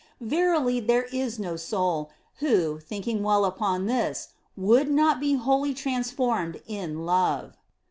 Verily there is no soul, who, thinking well upon this, would not be wholly transformed in love.